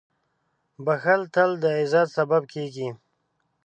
• بښل تل د عزت سبب کېږي.